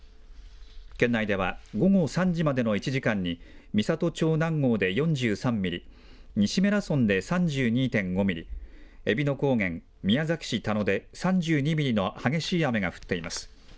県内では、午後３時までの１時間に、美郷町南郷で４３ミリ、西米良村で３２．５ミリ、えびの高原、宮崎市田野で３２ミリの激しい雨が降っています。